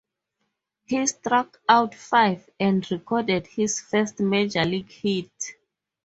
He struck out five, and recorded his first major league hit.